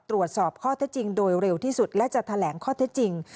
ตรวจสอบข้อเท็จจริงโดยเร็วที่สุดและจะแถลงข้อเท็จจริง